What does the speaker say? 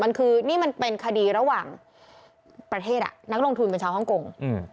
นี่มันเป็นคดีระหว่างประเทศนักลงทุนเป็นชาวฮังกง